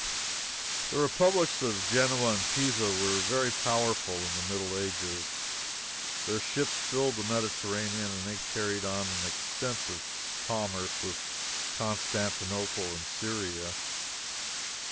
The republics of Genoa and Pisa were very powerful in the Middle Ages. Their ships filled the Mediterranean, and they carried on an extensive commerce with Constantinople and Syria.